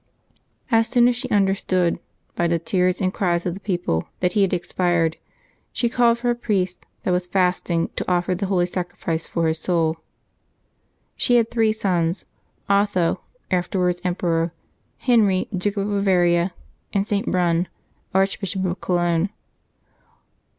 As soon as she understood, by the tears and cries of the people, that he had expired, she called for a priest that was fasting to offer the holy sacrifice for his soul. She had three sons: Otho, afterwards emperor; Henry, Duke of Bavaria; and St. Brunn, Archbishop of Cologne.